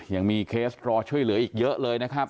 ยังมีเคสรอช่วยเหลืออีกเยอะเลยนะครับ